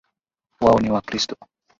Wao ni wakristo